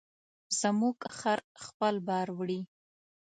زموږ خر خپل بار وړي.